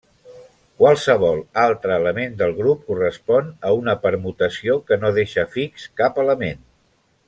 Qualsevol altre element del grup correspon a una permutació que no deixa fix cap element.